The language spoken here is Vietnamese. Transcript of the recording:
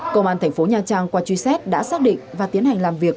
công an thành phố nha trang qua truy xét đã xác định và tiến hành làm việc